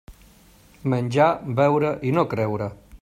Menjar, beure i no creure.